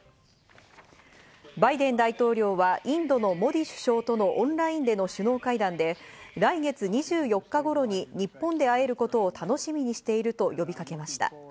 バイデン大統領はインドのモディ首相とのオンラインでの首脳会談で、来月２４日頃に日本で会えることを楽しみにしていると呼びかけました。